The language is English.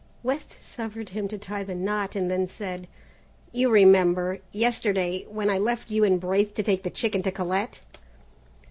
West suffered him to tie the knot, and then said: "You remember, yesterday, when I left you and Braith to take the chicken to Colette."